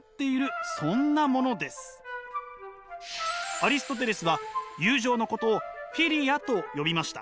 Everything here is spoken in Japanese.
アリストテレスは友情のことをフィリアと呼びました。